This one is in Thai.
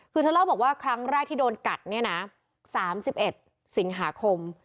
คือเธอเล่าบอกว่าครั้งแรกที่โดนกัดเนี่ยนะ๓๑สิงหาคม